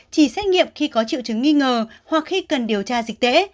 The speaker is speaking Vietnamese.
chỉ xét nghiệm khi có triệu chứng nghi ngờ hoặc khi cần điều tra dịch tễ